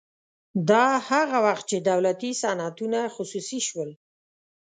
دا هغه وخت چې دولتي صنعتونه خصوصي شول